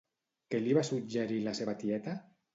Què li va suggerir la seva tieta?